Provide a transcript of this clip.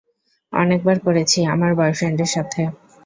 অনেকবার করেছি, আমার বয়ফ্রেন্ডের সাথে।